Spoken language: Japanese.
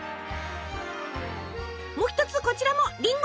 も一つこちらもりんご！